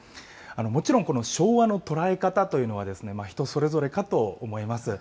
もちろん、この昭和の捉え方というのは、人それぞれかと思います。